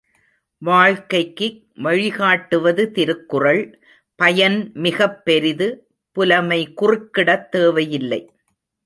வாழ்க்கைக்கு வழிகாட்டுவது திருக்குறள் பயன்மிகப் பெரிது, புலமை குறுக்கிடத் தேவையில்லை.